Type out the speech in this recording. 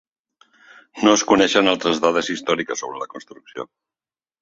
No es coneixen altres dades històriques sobre la construcció.